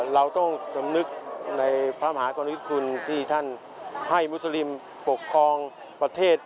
เราต้องสมนึกในภาพหากวลคุณที่ท่านให้มัศโ๕๐๐๑ปกครองประเทศ